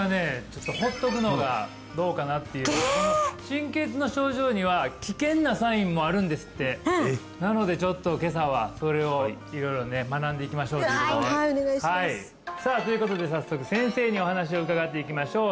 ちょっと放っとくのがどうかなっていうのがこの神経痛の症状には危険なサインもあるんですってなのでちょっと今朝はそれを色々ね学んでいきましょうということではいお願いしますさあということで早速先生にお話を伺っていきましょう